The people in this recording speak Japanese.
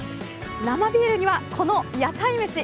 生ビールにはこの屋台めし！